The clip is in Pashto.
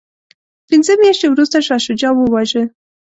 پنځه میاشتې وروسته شاه شجاع وواژه.